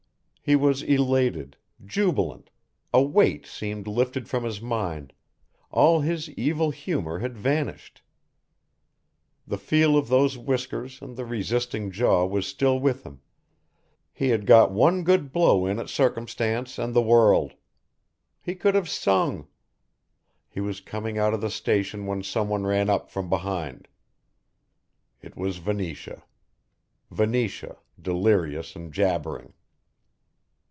He was elated, jubilant, a weight seemed lifted from his mind, all his evil humour had vanished. The feel of those whiskers and the resisting jaw was still with him, he had got one good blow in at circumstance and the world. He could have sung. He was coming out of the station when someone ran up from behind. It was Venetia. Venetia, delirious and jabbering.